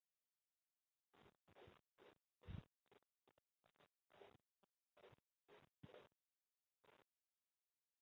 非有神论信仰的思维。